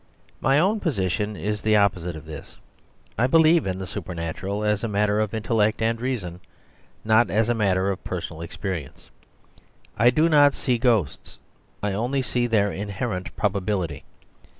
My own position is the opposite of this. I believe in the supernatural as a matter of intellect and reason, not as a matter of personal experience. I do not see ghosts; I only see their inherent probability.